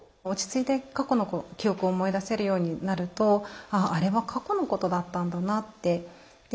落ち着いて過去の記憶を思い出せるようになるとあああれは過去のことだったんだなって。